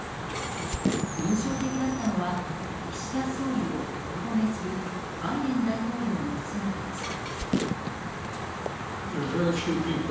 印象的だったのは岸田総理をべた褒めするバイデン大統領の姿でした。